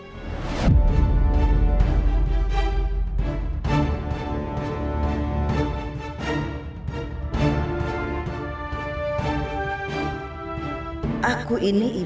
ya entah ma